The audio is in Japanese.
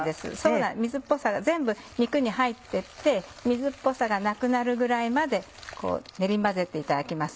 水っぽさが全部肉に入って行って水っぽさがなくなるぐらいまで練り混ぜていただきます。